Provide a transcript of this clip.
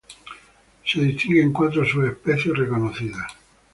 Se distinguen cuatro subespecies reconocidas.